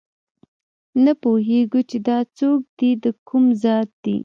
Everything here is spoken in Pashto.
نه پوهېږو چې دا څوک دي دکوم ذات دي